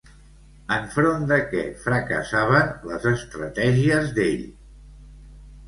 Enfront de què fracassaven les estratègies d'ell?